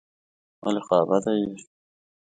ولي خوابدی یې ؟